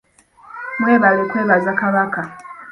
Mwebale kwebaza Kabaka.